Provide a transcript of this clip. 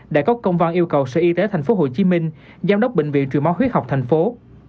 đã có công văn yêu cầu sở y tế tp hcm giám đốc bệnh viện truyền máu huyết học tp hcm